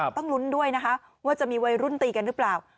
ต้องลุ้นด้วยนะคะว่าจะมีวัยรุ่นตีกันหรือเปล่า